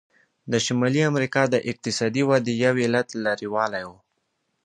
د شمالي امریکا د اقتصادي ودې یو علت لرې والی و.